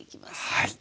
はい。